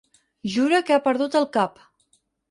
Jure que he perdut el cap.